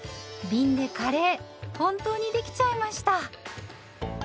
びんでカレー本当にできちゃいました。